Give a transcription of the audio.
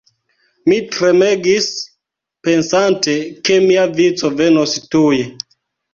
Mi tremegis pensante, ke mia vico venos tuj.